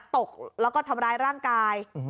ตกแล้วก็ทำร้ายร่างกาย